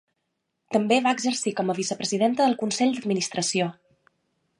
També va exercir com a vicepresidenta del Consell d'administració.